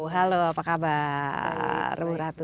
halo apa kabar rebu ratu